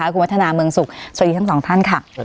คุณวัฒนาเมืองสุขสวัสดีทั้งสองท่านค่ะ